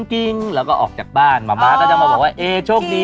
ติดโต๊ะทำงานตัวเองด้วยเหรอคะ